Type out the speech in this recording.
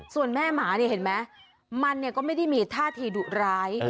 ส่วนแม่หมาเนี่ยเห็นไหมมันก็ไม่ได้มีท่าทีดุร้าย